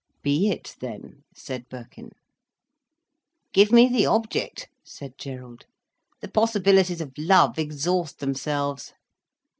"Be it then," said Birkin. "Give me the object," said Gerald. "The possibilities of love exhaust themselves."